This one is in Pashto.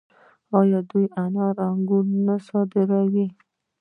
آیا دوی انار او انګور نه صادروي؟